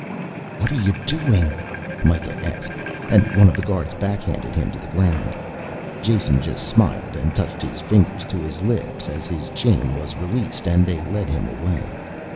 "What are you doing?" Mikah asked, and one of the guards backhanded him to the ground. Jason just smiled and touched his finger to his lips as his chain was released and they led him away.